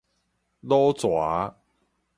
魯蛇